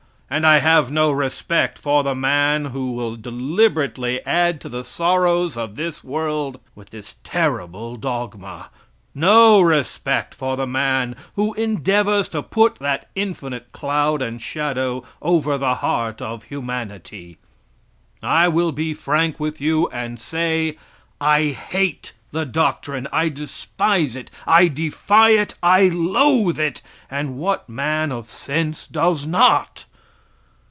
And I have no respect for the man who will deliberately add to the sorrows of this world with this terrible dogma; no respect for the man who endeavors to put that infinite cloud and shadow over the heart of humanity. I will be frank with you and say, I hate the doctrine; I despise it, I defy it; I loathe it and what man of sense does not.